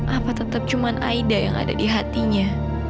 apa tetep cuman aida yang ada di hatinya